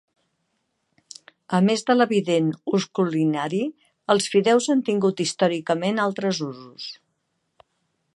A més de l'evident ús culinari, els fideus han tingut històricament altres usos.